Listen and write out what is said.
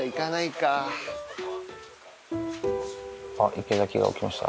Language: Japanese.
あっ、池崎が起きました。